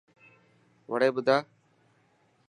وڙي ٻڌا.